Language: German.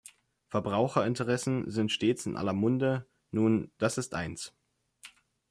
Verbraucherinteressen sind stets in aller Munde, nun, das ist eins.